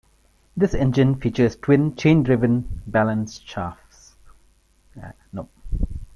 This engine features twin, chain-driven balance shafts.